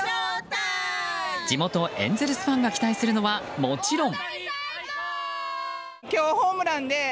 地元エンゼルスファンが期待するのはもちろん。